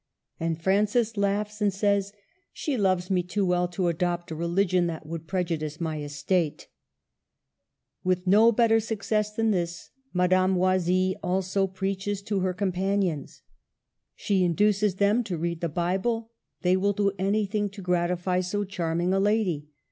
And Francis laughs, and says, '' She loves me too well to adopt a religion that would prejudice my estate !" With no better success than this, Madame Oi sille also preaches to her companions. She in duces them to read the Bible ; they will do any thing to gratify so charming a lady.